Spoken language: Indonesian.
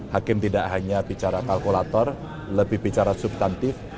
hakim tidak hanya bicara kalkulator lebih bicara subtantif